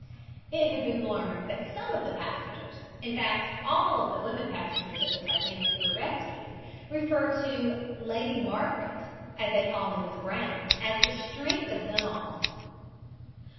It had been learned that some of the passengers, in fact all of the women passengers of the Titanic who were rescued, refer to "Lady Margaret," as they called Mrs. Brown as the strength of them all.